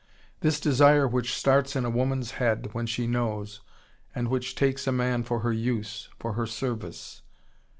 This desire which starts in a woman's head, when she knows, and which takes a man for her use, for her service.